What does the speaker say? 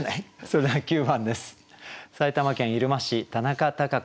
それでは９番です。